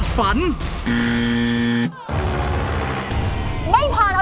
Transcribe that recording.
ช่วยฝังดินหรือกว่า